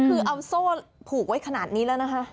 คือเอาโซ่ผูกไว้ขนาดนี้แล้วนะคะ